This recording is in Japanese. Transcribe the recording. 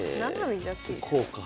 こうか。